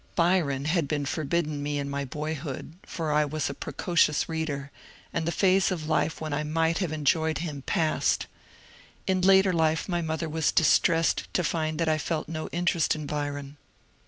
Byron had been forbidden me in my boyhood, — for I was a precocious reader, — and the phase of life when I might have enjoyed him passed. In later life my mother was dbtressed to find that I felt no interest in Byron.